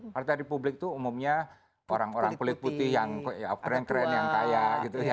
partai republik itu umumnya orang orang kulit putih yang keren keren yang kaya gitu